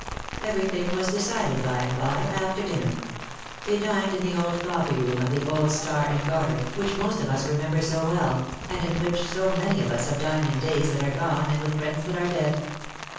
Everything was decided by and by, after dinner. They dined in the old coffee room of the old Star and Garter, which most of us remember so well, and in which so many of us have dined in days that are gone and with friends that are dead.